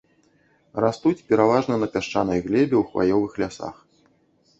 Растуць пераважна на пясчанай глебе ў хваёвых лясах.